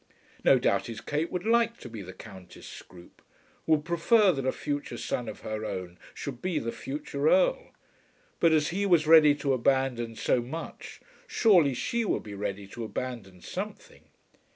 No doubt his Kate would like to be the Countess Scroope, would prefer that a future son of her own should be the future Earl. But as he was ready to abandon so much, surely she would be ready to abandon something.